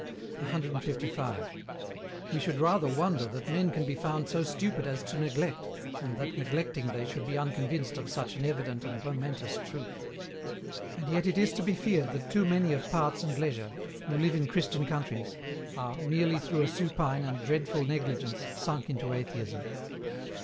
155. We should rather wonder that men can be found so stupid as to neglect, than that neglecting they should be unconvinced of such an evident and momentous truth. And yet it is to be feared that too many of parts and leisure, who live in Christian countries, are, merely through a supine and dreadful negligence, sunk into Atheism.